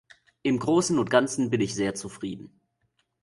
Im großen und ganzen bin ich sehr zufrieden.